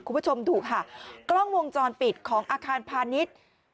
คุณผู้ชมดูค่ะกล้องวงจรปิดของอาคารพาณิชย์